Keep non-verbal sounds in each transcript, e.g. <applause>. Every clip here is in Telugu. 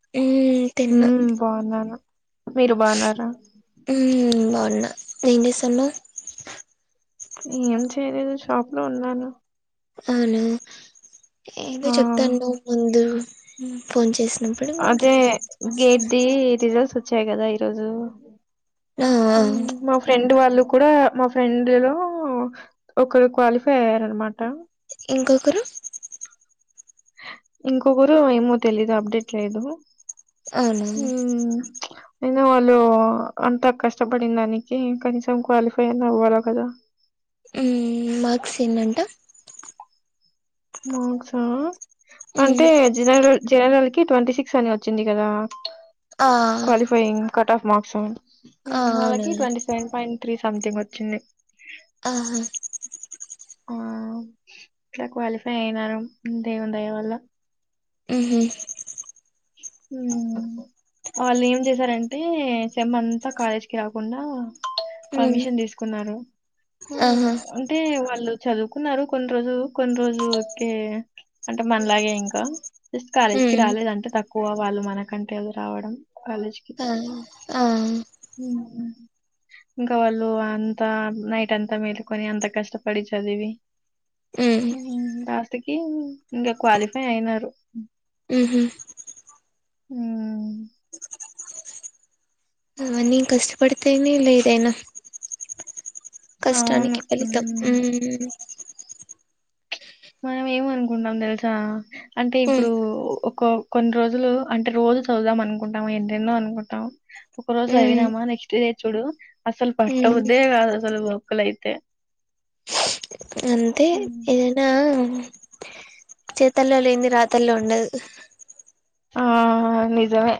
హ్మ్ తిన్నా ఉమ్ బాగున్నాను మీరు బాగున్నారా ఉమ్ బాగున్నా ఏం చేస్తున్నావ్ ఏం చేయలేదు షాప్ లో ఉన్నాను అవునా ఏదో ఆ చెప్తానువ్ ముందు ఫోన్ చేసి అదే గేట్ది రిజల్ట్స్ వచ్చాయి కదా ఈరోజు ఆ ఆ మా ఫ్రెండ్ డ్ వాళ్ళు కూడా మా ఫ్రెండ్ లో ఒకరు క్వాలిఫై అయ్యారనమాట ఇంకొకరు ఇంకొకరు ఏమో తెలీదు అప్డేట్ లేదు అవును ఊమ్ ఇంగ వాళ్ళు అంతా కష్టపడిన దానికి కనీసం క్వాలిఫై అయిన అవ్వాలి కదా ఉమ్ మార్క్స్ ఎన్నంట్ట మార్క్స్ అంటే హ్మ్ జనరలు జనర కి ట్వంటీ సిక్స్ అని వచ్చింది కదా ఆ క్వాలిఫయింగ్ కట్ ఆఫ్ మార్క్స్ ఉమ్ ఆ అవును వాళ్ళకి twenty seven point three something వచ్చింది ఆహా ఆ ఇలా క్వాలిఫై అయినారు దేవుడి దయ వల్ల ఉమ్ హు ఉమ్ వాళ్ళు ఏం చేసారంటే సేమ్ అంతా కాలేజ్కి రాకుండా హ్మ్ పర్మిషన్ తీసుకున్నారు ఆహా అంటే వాళ్ళు చదువుకున్నారు కొన్ని రోజులు కొన్ని రోజు కె అంటే మనలాగే ఇంకా జస్ట్ కాలేజ్ కి హ్మ్ రాలేదు అంటే తక్కువ వాళ్ళు మనకంటే అళ రావడం కాలేజ్ కి ఆ ఆ ఉమ్ హు ఇంకా వాళ్ళు అంతా నైట్ అంతా మేలుకొని అంత కష్టపడి చదివి హ్మ్ లాస్ట్కి ఇంకా క్వాలిఫై అయినారు ఉమ్ హు ఉమ్ మరి కష్టపడితేనేలే ఏదైనా అవును కష్టానికి ఫలితం ఉమ్, ఊమ్ మనం ఏమనుకుంటాం తెలుసా అంటే హ్మ్ ఇప్పుడు కో కొన్ని రోజులు అంటే రోజు చదుదాం అనుకుంటం ఎన్నెన్నో అనుకుంటాం ఒక రోజు హ్మ్ చదివినామా నెక్స్ట్ డే చూడు అసల్ హ్మ్ పట్టబుద్దె అసలు బుక్కులైతే అంతే ఏదైనా చేతల్లో లేంది రాతల్లో ఉండదు. ఆ నిజమే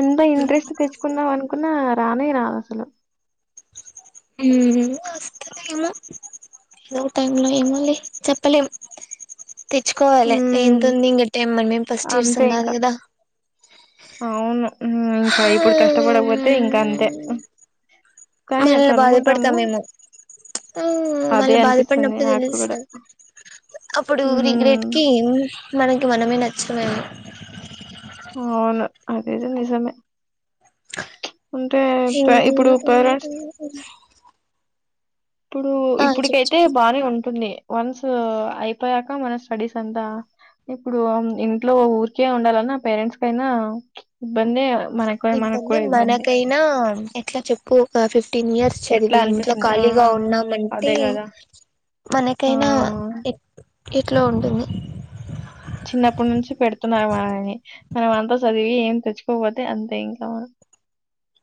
ఎంత ఇంట్రెస్ట్ తెచ్చుకుందాం అనుకున్నా రానే రాద్ అసలు మ్ వస్తాదేమో ఏదో టైమ్లో ఏమోలె చెప్పలేం. తెచ్చుకోవాలె ఎంత ఉమ్, ఉంది ఇంక టెమ్మనే మేం ఫస్ట్ అంతే ఇయర్సం కాదు ఇంకా కదా అవును ఇంకా ఇప్పుడు కష్టపడకపోతే ఇంకా అంతే కానీ మళ్ళ అట్లా అనుకుంటాము బాధపడ్తామేమో అవు మళ్ళ అదే అనిపిస్తుంది బాధపడినప్పుడు నాకు తెలుస్త కూడా అప్పుడు ఉమ్, రిగ్రెట్కి మనకి మనమే నచ్చమేమో అవును అదైతే నిజమే ఉంటే ఇప్పుడు పేరెంట్స్ ఇప్పుడు ఆ చెప్పు ఇప్పుడికైతే చెప్పు బానే ఉంటుంది. వన్స్ స్ అయిపోయాక మన స్టడీస్ అంతా ఇప్పుడూ ఇంట్లో ఊరికే ఉండాలన్న పేరెంట్స్కైనా ఇబ్బందే మన కూడా మన కూడా ఇబ్బందే ఎట్ల చెప్పు ఒక ఫిఫ్టీన్ ఇయర్స్ ఎట్లా చదివి ఇంట్లో అనిపిస్తుంది ఆ ఖాళీగా ఉన్నామంటే అదే కదా ఆ మనకైనా ఎ ఎట్లో ఉంటుంది. చిన్నప్పుడు నుంచి పెడుతున్నారు. <inaudible> మనం అంత చదివి ఏం తెచ్చుకోపోతే అంతే ఇంకా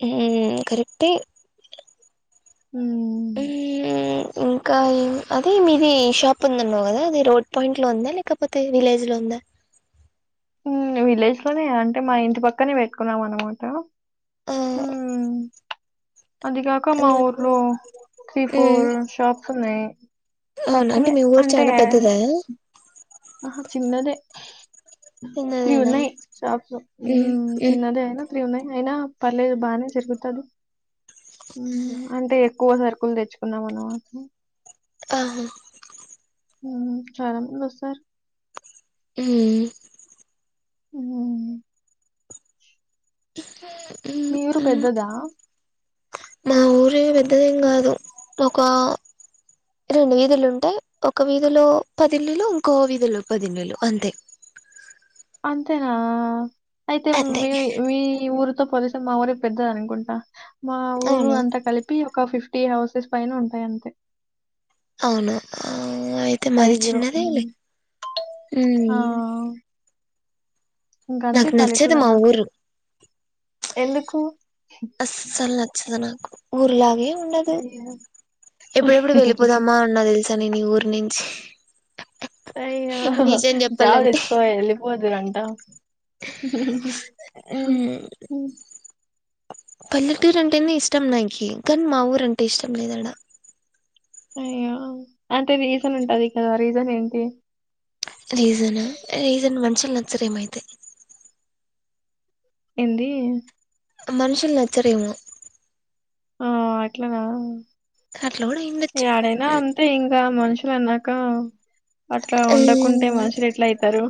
మ్ కరెక్టే మ్ ఇంకా అదిమీది షాప్ ఉందన్నావు కదా అది రోడ్ పాయింట్లో ఉందా లేకపోతే విలేజ్లో ఉందా విలేజ్లోనే అంటే మా ఇంటి పక్కనే పెట్టుకున్నాం అన్నమాట. ఆ మ్ అదిగాక మా ఊర్లో త్రీ ఫోర్ షాప్స్ ఉన్నయి. అవునా తక్కువే మీ ఊరు అంటే చాలా పెద్దదా అహ చిన్నదే. త్రీ చిన్నదేనా ఉన్నయి షాప్స్ చిన్నదే అయిన త్రీ ఉన్నయి అయినా పర్లేదు బాగానే జరుగుతది అంటే ఎక్కువ సర్ కుల్ తెచ్చుకున్నాం అన్నమాట. ఆ చాలా మంది వస్తార్ హ్మ్ ఉ ఇే మీ ఊరు పెద్దదా మా ఊరు పెద్దదేం కాదు ఒక రెండు వీధులుంటయి. ఒక వీధిలో పదిళ్ళులు ఇంకో వీదిలో పదిళ్ళులు అంతే ఆ అయితే అంతే మీ మీ ఊరితో పోలిస్తే మా ఊరే పెద్దది అనుకుంటా మా ఊరు అవునా అంతా కల్పి ఒక ఫిఫ్టీ హౌసెస్ పైన ఉంటయి అంతే అవును ఆ అయితే మాది చిన్నదేలె హ్మ్. ఆ ఇంకంతే నాకు నచ్చదు పల్లెటూర్ మా అన్నాక ఊరు ఎందుకు? అస్సలు నచ్చదు నాకు ఊర్లాగే ఉండదు అయ్యో! ఎప్పుడెప్పుడు వెళ్ళిపోదామా అన్న తెలుసు తనని ఊరు నుంచి అయ్యో నిజం జాబు చెప్పాలంటే తెచ్చుకో వెలి పోదురంటా ఉమ్ ఉ పల్లెటూరు అంటేనే ఇష్టం నాకి కానీ మా ఊరు అంటే ఇష్టం లేదడా అయ్యో అంటే రీజన్ ఉంటది కదా రీజన్ ఏంటి రీజన్ రీజన్ మనుషులు నచ్చర ఏమైతే ఏంది మనుషుల్ నచ్చరేమో ఆ అట్లా అట్లా కూడా అయ్యుండొచ్చు ఎడైనా అంతే ఇంకా మనుషి మనుషులు అన్నాక అట్లా ఆ ఉండకుంటే మనుషలు ఎట్లా అవుతారు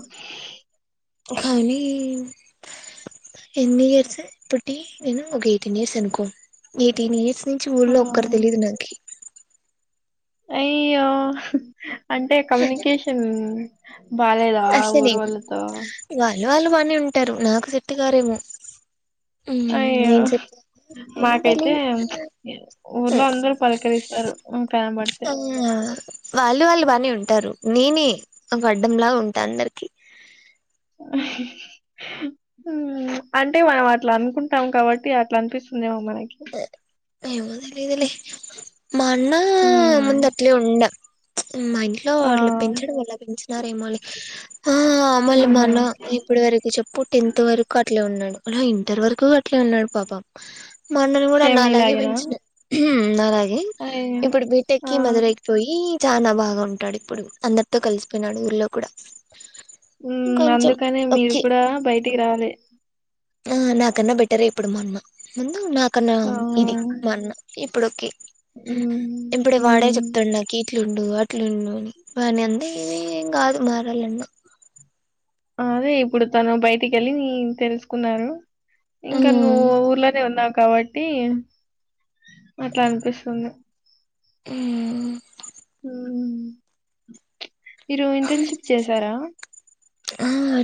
ఖాని ఎన్ ఇయర్స్ పెటి నేను ఒక ఎయిటీన్ ఇయర్స్ అనుకో ఎయిటీన్ ఇయర్స్ నుంచి ఆ ఊళ్ళో ఒక్కరు తెలియదు నాకి అయ్యో అంటే కమ్యూనికేషన్ బాలేదా ఊరోల్లతో పల్ల వాళ్ళు బని ఉంటారు నాకు చెెట్టు గారేమో అయ్యో ఏమో మాకైతే తెలీదు ఊర్లో అందరు పలకరిస్తారు కనబడుతె ఆ వాళ్లు వాళ్లు బానే ఉంటారు ఉంటారు నేనే ఒక అడ్డంలా ఉంటా అందరికి అ అంటే మనం అట్లా అనుకుంటాం కాబట్టి అట్లా అనిపిస్తుందిమో మనకి మనకి ఏమో తెలియదు లే మల్ల ఉమ్ ముంద అట్లే ఉండ మా ఇంట్లో ఆ వాళ పెంచడం వల్ల పెంచినార ఏమో లే ఆ అమలు అ ఆహా న్న ఇప్పటి వరకు చెప్పు టెన్త్ వరకు అట్లే ఉన్నాడు అలా ఇంటర్ వరకు అట్లే ఉన్నాడు పాపం మా అన్నని కూడా సేమ్ నా అలాగే నీలాగేనా పెంచిన అలాగే అయ్యో ఇప్పుడు బీటెక్ ఆ కి మధురైకి పోయి చాలా బాగా ఉంటాడు ఇప్పుడు అందరితో కలిసిపోయినాడు ఊర్లో కూడా ఉ కొంచెం అందుకని మీరు ఓకే కూడా బయటికి రవాలి ఆ నాకన్నా బెటరే ఇప్పుడు మా అన్న ముందు నాకన్నా ఇది ఆ మా అన్న ఉమ్ ఎప్పుడే వాడే ఉమ్ చెప్తాడు నాకి అట్లుండువు అట్లుండు అని వాని అందర ఏ ఏం కాదు మారాలన్నా అదే ఇప్పుడు తను బయటికి వెళ్ళి తెలుసుకున్నారు ఇంకాను ఊర్లనే ఉన్నావ్ కాబట్టి అట్లా అనిపిస్తుంది ఉ ఆ మీరు ఇంటర్న్షిప్ చేసారా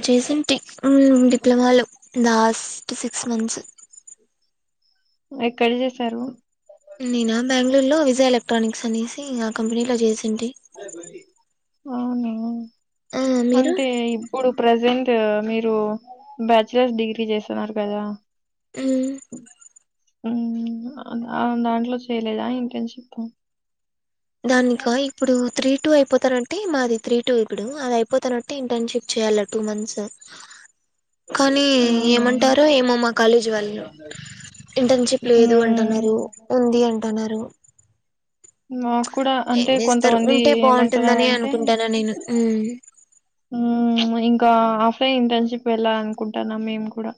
చేసిన డిప్లొమాలు లాస్ట్ సిక్స్ మంత్స్ ఎక్కడ చేసారు నేనా బెంగళూరు లో విజయ ఎలక్ట్రానిక్స్ అనేసి కంపెనీలో చేసా అవును ఆ మీరు అంటే ఇప్పుడు ప్రెజెంట్ మీరు బ్యాచలర్స్ డిగ్రీ చేస్తున్నారు కదా మ్మ్ ఉ దాంట్లో చేయలేదా ఇంటర్న్షిప్ దానికా ఇప్పుడు త్రీ టూ అయిపోతారంటే అంటే మాది త్రీ టూ ఇప్పుడు అది అయిపోతానట్టే ఇంటర్న్షిప్ చేయాల టూ మంత్స్ కానీ అవునా ఏమంటారో ఏమో మా కాలేజీ వాళ్ళు ఇంటర్న్షిప్ లేదు ఉమ్ అంటున్నారు ఉంది అంటున్నారు మాకు కూడా ఏం అంటే చేస్తారు కొంతమంది ఉంటే బాగుంటుందని ఏమంటున్నంటే అనుకుంటాను నేను మ్మ్ ఇంకా ఆఫ్లైన్ ఇంటర్న్షిప్ వెళ్ళాల అనుకుంటాన్నా మేము కూడా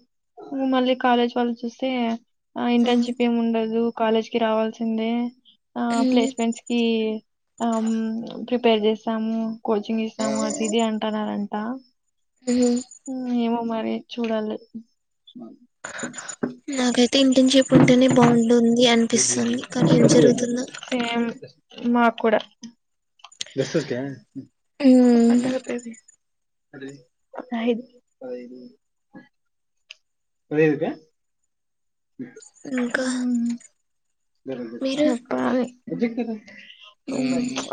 హ్మ మళ్ళీ కాలేజీ వాలు చూస్తే ఆ ఇంటర్న్షిప్ ఏమి ఉండదు కాలేజ్ కి రావాల్సిందే ఆ మ్మ్ ప్లేస్మెంట్స్ కి ఆమ్ ప్రిపేర్ చేస్తాము కోచింగ్ ఆ ఇస్తాము అది ఇది అంటున్నరంటా మ్మ్ ఏమో మరి చూడాలి నాకై ఇంటర్న్షిప్ ఉంటేనే బాగుంటుంది అనిపిస్తుంది కానీ ఏం జరుగుతుందొ సేమ్ మాకు కూడా పదహైదు పదహైదు క ఇంకా మీరు చెప్పలీ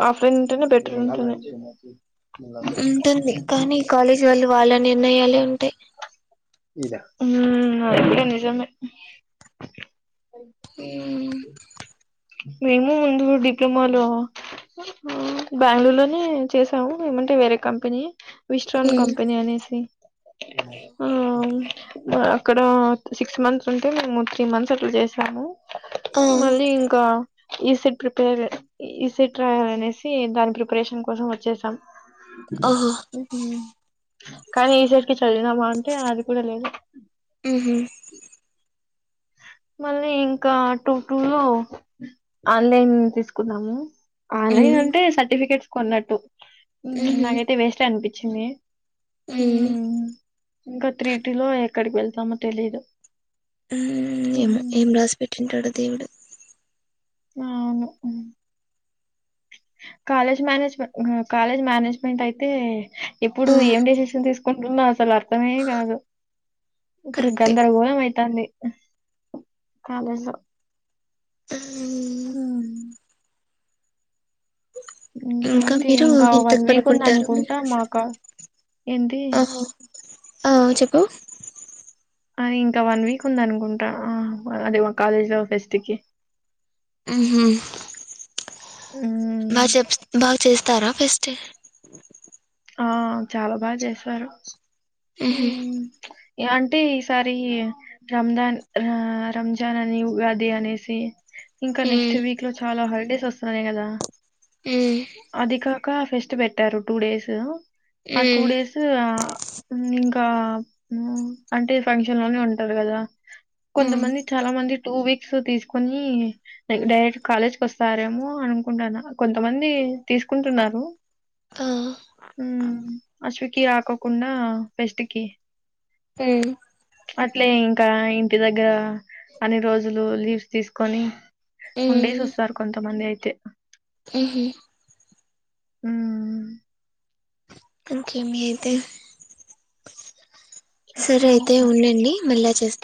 ఆఫ్లైన్ ఉంటేనే బెటర ఇంకేమి ఉంటుంది కానీ కాలేజీ వాళ్ళు వాళ్ళ నిర్ణయాలే ఉంటాయి హ్మ నిజమే హ్మ్ మేము ముందు డిప్లొమా లో హ్మ్ బెంగళూరు లోనే చేసాము ఏమంటే వేరే కంపెనీ విశ్రాన్ కంపెనీ అనేసి అక్కడ సిక్స్ మంత్స్ ఉంటే మేము త్రీ మంత్స్ అట్ల చేసాము ఆ మళ్లి ఇంక్ ఈ సట్ ప్రిపేర్ ఈసట్ రాయలి అనేసి దాని ప్రిపరేషన్ కోసం వచ్చేసాం ఓహో హ్మ్ హ్మ కానీ ఈసట్ కి చదివినామా అంటే అది కూడా లేదు హ్మ్ అ మళ్ళీ ఇంకా టూ టూ లో ఆన్లైన్ తీసుకున్నాము ఆన్లైన్ అంటే సర్టిఫికేట్స్ కొన్నట్టు నాకైతే వేస్టే అనిపించింది హ్మ ఉమ్ ఇంకా త్రిటీ లో ఎక్కడికి వెళ్తామో తెలీదు హ్మ ఏమో ఏం రాసి పెట్టింటాడో దేవుడు అవును కాలేజ్ మేనేజ్మె హ్మ కాలేజ్ మేనేజ్మెంట్ అయితే ఎప్పుడు ఆ ఏం డెసిషన్ తీసుకు కుంటున్నాం అసలు అర్థమే కాదు ఇప్పుడు కరెక్టే గందరగోళం అయితాంది కాలేజీలో హ్మ ఇంకా ఏంటి మీరు ఇంకా వన్ ఎంతకు వీక్ ఉంది పనుకుంటారు అనుకుంటా మాకా ఏంటి ఆహొ ఆ చెప్పు ఆ ఇంకా వన్ వీక్ ఉంది అనుకుంటా అదే మా కాలేజ్ లో ఫెస్ట్కి హ్మ హ్మ బాగా చెప్ బాగా చేస్త తరా ఫెస్ట్ ఆ చాలా బాగా చేస్తారు ఉహు అంటే ఈసారి రంజాన్ ఆ రంజాన్ అని ఉగాది అనేసి ఇంకా నెక్స్ట్ వీక్ లో చాలా హాలిడేస్ వస్తున్నాయి కదా ఉ అది కాక ఫెస్ట్ పెట్టారు టూ డేస్ ఆ టూ ఉమ్ డేస్ హ్మ్ ఆ ఊ అంటే ఫంక్షన్ లోనే ఉంటారు కదా ఉమ్ కొంతమంది చాలా మంది టూ వీక్ క్స్ తీసుకుని డైరెక్ట్ కాలేజ్ కి వస్తారేమో అనుకుంటాను కొంతమంది తీసుకుంటున్నారు హ్మ అశ్వికి కాకుండా ఫెస్ట్కి హ అట్లే ఇంకా ఇంటి దగ్గర అన్ని రోజులు లీవ్స్ తీసుకొని ఉండేసి వస్తారు కొంత మంది అయితే ఉహు ఉమ్ ఇంకేమి అయితే సరే అయితే ఉండండి మళ్ళ చేస్త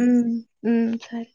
మ్మ్ మ్మ్ సాయో